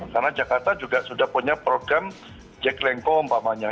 karena jakarta juga sudah punya program jack lengko umpamanya